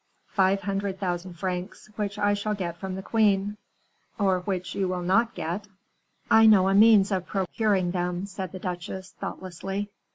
"Five hundred thousand francs, which I shall get from the queen." "Or, which you will not get." "I know a means of procuring them," said the duchesse, thoughtlessly.